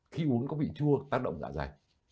khi uống có vị chua tác động dạ dày